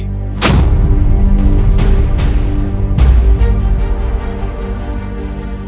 dinda subang lara